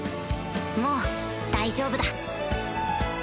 もう大丈夫だ